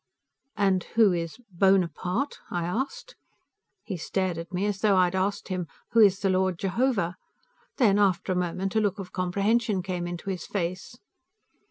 "And who is Bonaparte?" I asked. He stared at me as though I had asked him, "Who is the Lord Jehovah?" Then, after a moment, a look of comprehension came into his face.